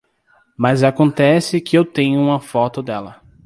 Mas acontece que eu tenho uma foto dela.